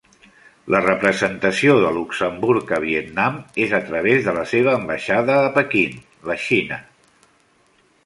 La representació de Luxemburg a Vietnam és a través de la seva ambaixada a Pequín, la Xina.